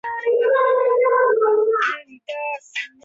新北市万金石马拉松银标签认证的国际级马拉松。